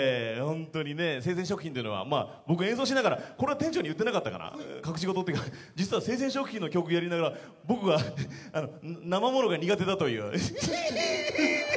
ホントにね「生鮮食品」っていうのはまぁ僕演奏しながらこれは店長に言ってなかったかな隠し事っていうか実は「生鮮食品」の曲やりながら僕はあの生ものが苦手だというイヒヒヒ